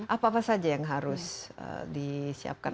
apa apa saja yang harus disiapkan